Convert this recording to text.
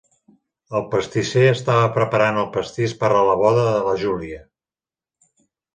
El pastisser estava preparant el pastís per a la boda de la Júlia.